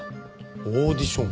オーディション？